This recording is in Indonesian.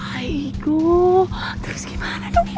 aigoo terus gimana dong ini